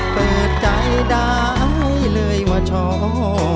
เปิดใจได้เลยว่าชอบ